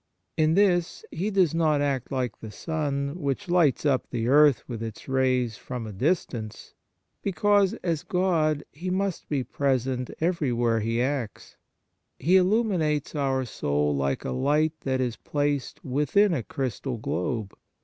In this He does not act like the sun, which lights up the earth with its rays from a distance, because as God He must be present where ever He acts. He illuminates our soul like a light that is placed within a crystal globe.